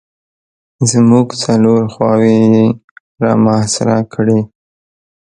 زموږ څلور خواوې یې را محاصره کړلې.